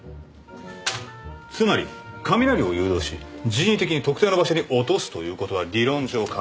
つまり雷を誘導し人為的に特定の場所に落とすということは理論上可能だ。